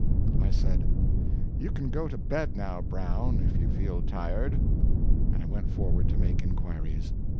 I said, "You can go to bed now, Brown, if you feel tired," and I went forward to make inquiries.